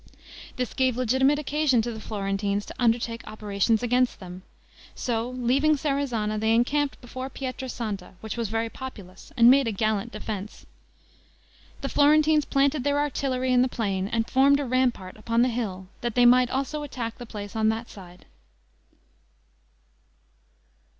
This gave legitimate occasion to the Florentines to undertake operations against them; so leaving Serezana they encamped before Pietra Santa, which was very populous, and made a gallant defense. The Florentines planted their artillery in the plain, and formed a rampart upon the hill, that they might also attack the place on that side.